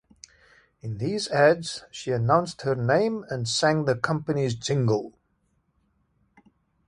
In these ads, she announced her name and sang the company's jingle.